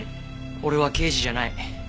俺は刑事じゃない。